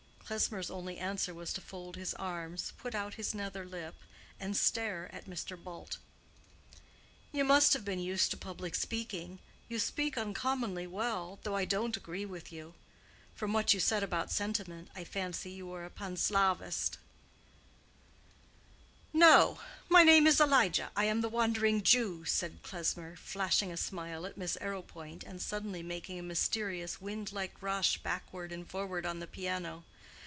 Klesmer's only answer was to fold his arms, put out his nether lip, and stare at Mr. Bult. "You must have been used to public speaking. You speak uncommonly well, though I don't agree with you. From what you said about sentiment, I fancy you are a Panslavist." "No; my name is Elijah. I am the Wandering Jew," said Klesmer, flashing a smile at Miss Arrowpoint, and suddenly making a mysterious, wind like rush backward and forward on the piano.